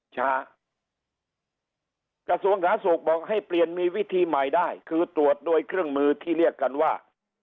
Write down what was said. กระทรวงสาธารณสุขบอกให้เปลี่ยนมีวิธีใหม่ได้คือตรวจด้วยเครื่องมือที่เรียกกันว่า